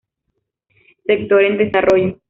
Sector en desarrollo.